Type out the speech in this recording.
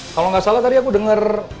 kalau gak salah tadi aku denger